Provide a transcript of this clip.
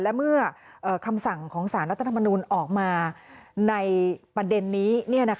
และเมื่อคำสั่งของสารรัฐธรรมนูลออกมาในประเด็นนี้